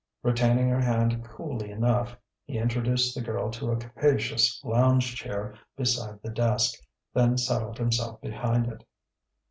Retaining her hand coolly enough, he introduced the girl to a capacious lounge chair beside the desk, then settled himself behind it.